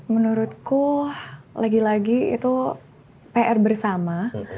menurutku lagi lagi itu pr bersama